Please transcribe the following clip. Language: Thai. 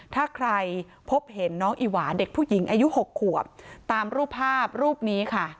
ถ้าใครพบเห็นน้องอีหวาเด็กผู้หญิงอายุ๖ขวบตามรูปภาพรูปนี้ค่ะ